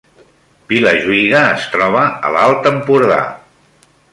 Vilajuïga es troba a l’Alt Empordà